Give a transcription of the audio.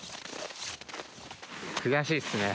悔しいっすね。